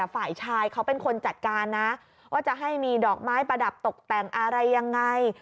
ฝ่ายชายเขาเป็นคนจัดการนะว่าจะให้มีดอกไม้ประดับตกแต่งอะไรยังไง